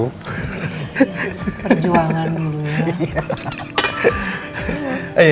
perjuangan dulu ya